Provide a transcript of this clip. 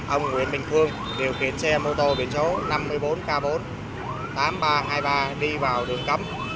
ông nguyễn bình phương điều khiển xe mô tô biển số năm mươi bốn k bốn tám nghìn ba trăm hai mươi ba đi vào đường cấm